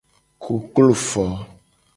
Koklo fo.